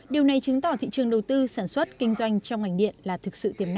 điều này chứng tỏ thị trường đầu tư sản xuất kinh doanh trong ngành điện là thực sự tốt